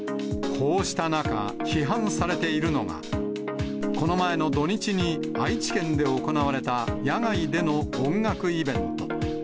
こうした中、批判されているのが、この前の土日に愛知県で行われた、野外での音楽イベント。